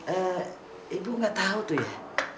eh ibu nggak tahu tuh ya